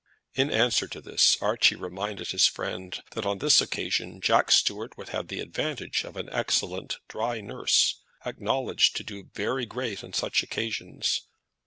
In answer to this, Archie reminded his friend that on this occasion Jack Stuart would have the advantage of an excellent dry nurse, acknowledged to be very great on such occasions.